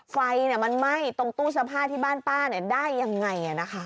ไฟเนี่ยมันไหม้ตรงตู้สภาพที่บ้านป้าเนี่ยได้ยังไงอ่ะนะคะ